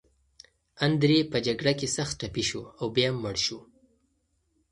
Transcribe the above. اندرې په جګړه کې سخت ټپي شو او بیا مړ شو.